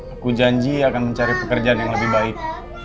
aku janji akan mencari pekerjaan yang lebih baik